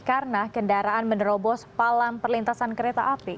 karena kendaraan menerobos palang perlintasan kereta api